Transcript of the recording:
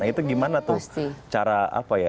nah itu gimana tuh cara apa ya